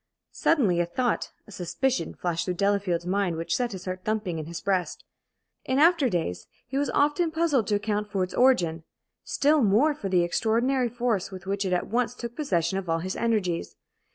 Suddenly a thought, a suspicion, flashed through Delafield's mind, which set his heart thumping in his breast. In after days he was often puzzled to account for its origin, still more for the extraordinary force with which it at once took possession of all his energies.